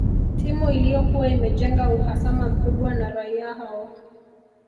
Timu Iliyokuwa imejenga uhasama mkubwa na raia hao